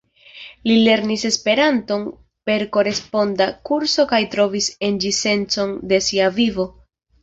Li lernis Esperanton per koresponda kurso kaj trovis en ĝi sencon de sia vivo.